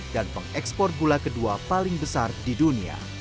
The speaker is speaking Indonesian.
dan pengekspor gula kedua paling besar di dunia